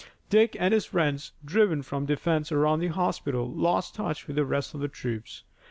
Dick and his friends, driven from the defense around the hospital, lost touch with the rest of the troops.